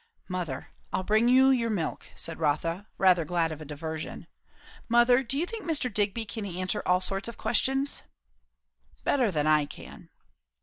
"Mother. I'll bring you your milk," said Rotha, rather glad of a diversion. "Mother, do you think Mr. Digby can answer all sorts of questions?" "Better than I can."